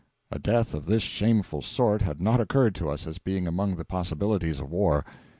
A death of this shameful sort had not occurred to us as being among the possibilities of war.